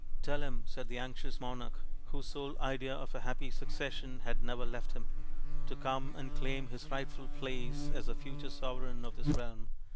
" Tell him," said the anxious monarch, whose sole idea of a happy succession had never left him, "to come and claim his rightful place as the future sovereign of this realm."